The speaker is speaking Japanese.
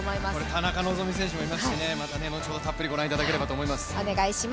田中希実選手もいますしね、後ほどたっぷりご覧いただければと思います。